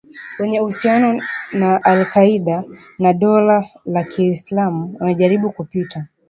Wenye uhusiano na al-Kaeda na Dola la kiislamu wanajaribu kupita